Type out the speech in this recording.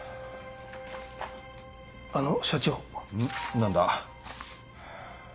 何だ？